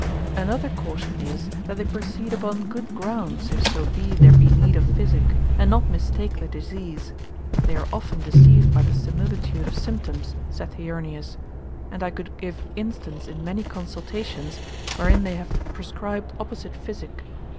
Another caution is, that they proceed upon good grounds, if so be there be need of physic, and not mistake the disease; they are often deceived by the similitude of symptoms, saith Heurnius, and I could give instance in many consultations, wherein they have prescribed opposite physic.